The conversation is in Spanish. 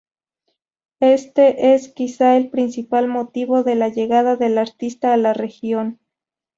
Este es, quizás, el principal motivo de la llegada del artista a la región.